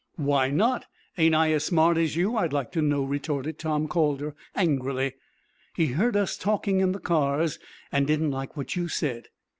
"Why not? Ain't I as smart as you, I'd like to know?" retorted Tom Calder, angrily. "He heard us talking in the cars, and didn't like what you said."